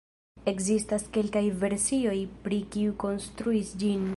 Ekzistas kelkaj versioj pri kiu konstruis ĝin.